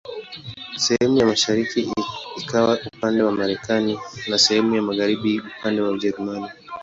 Sehemu ya mashariki ikawa upande wa Marekani na sehemu ya magharibi upande wa Ujerumani.